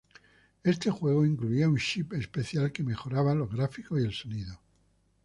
Este juego incluía un chip especial que mejoraba los gráficos y el sonido.